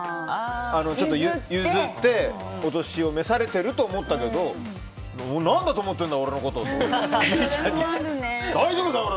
譲ってお年を召されてると思ったけど何だと思ってんだ俺のこと！って大丈夫だから！